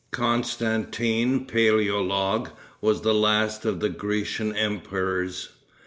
Constantin Paleologue was the last of the Grecian emperors.